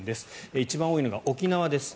一番多いのが沖縄です。